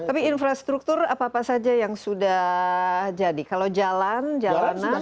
tapi infrastruktur apa apa saja yang sudah jadi kalau jalan jalanan